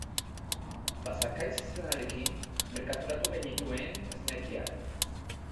Basakaitz izenarekin merkaturatu genituen esnekiak.